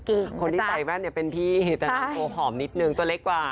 คนที่ใส่แว่นเนี่ยเป็นพี่แต่ออร์กูธหอมนิดนึงตัวเล็กกว่า